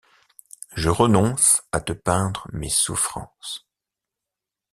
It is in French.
Je renonce à te peindre mes souffrances.